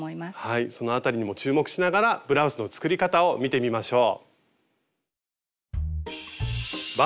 その辺りにも注目しながらブラウスの作り方を見てみましょう。